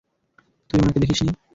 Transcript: তুই উনাকে দেখিসনি?